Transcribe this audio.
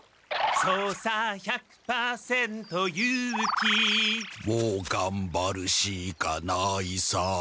「そうさ１００％勇気」「もうがんばるしかないさ」